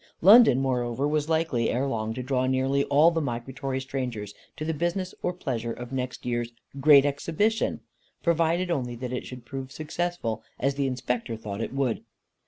London moreover was likely, ere long, to draw nearly all the migratory strangers to the business or pleasure of next year's "Great Exhibition," provided only that it should prove successful, as the Inspector thought it would.